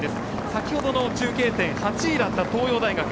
先ほど中継点で８位だった東洋大学。